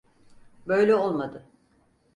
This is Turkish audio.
Böyle olmadı.